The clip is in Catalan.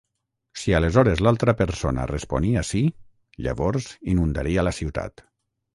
Si aleshores l'altra persona responia "sí", llavors inundaria la ciutat.